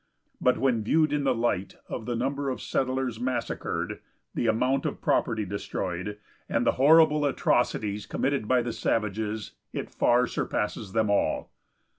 But when viewed in the light of the number of settlers massacred, the amount of property destroyed, and the horrible atrocities committed by the savages, it far surpasses them all.